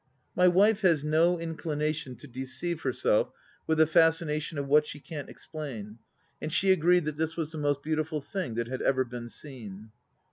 My wife has no inclination to deceive herself with the fascination of what she can't explain, and she agreed that this was the most beautiful thing that had ever been seen.